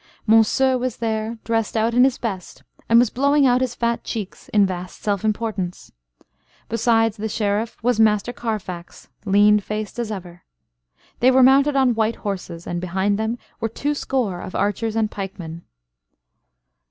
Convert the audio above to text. Monceux was there, dressed out in his best; and was blowing out his fat cheeks in vast self importance. Beside the Sheriff was Master Carfax, lean faced as ever. They were mounted on white horses; and behind them were two score of archers and pikemen.